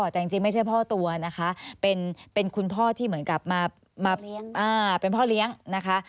แต่จริงไม่ใช่พ่อตัวนะคะเป็นคุณพ่อที่เหมือนกับมาเป็นพ่อเลี้ยงนะคะ